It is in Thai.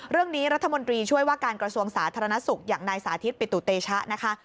เรื่องนี้รัฐมนตรีช่วยว่าการกระทรวงสาธารณสุขอย่างนายสาธิตปิตุเตชะนะคะ